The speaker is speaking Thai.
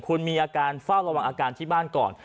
คุณมีอาการเฝ้าระวังอาการที่บ้านก่อน